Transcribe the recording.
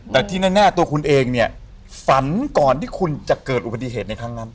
แต่ที่แน่ตัวคุณเองเนี่ยฝันก่อนที่คุณจะเกิดอุบัติเหตุในครั้งนั้น